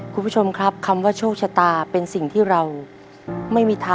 คุณผู้ชมครับคำว่าโชคชะตาเป็นสิ่งที่เราไม่มีทาง